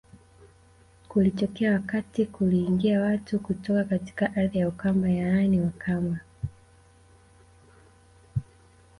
Kulitokea wakati kuliingia watu kutoka katika ardhi ya Ukamba yaani Wakamba